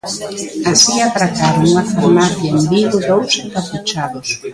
Así atracaron unha farmacia en Vigo dous encapuchados.